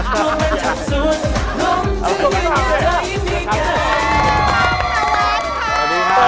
มันมันทำส่วนมองจนยังอยู่ที่มีเกิน